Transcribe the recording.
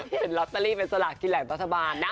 เห็นล็อตเตอรี่เป็นสละกีไหลนตราธบาลนะ